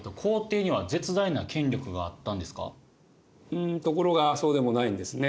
うんところがそうでもないんですね。